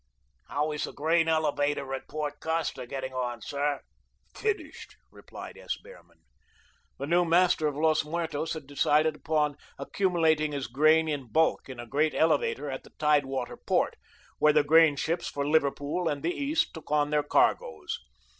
"How is the grain elevator at Port Costa getting on, sir?" "Finished," replied S. Behrman. The new master of Los Muertos had decided upon accumulating his grain in bulk in a great elevator at the tide water port, where the grain ships for Liverpool and the East took on their cargoes.